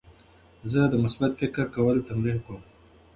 زه د مثبت فکر کولو تمرین کوم.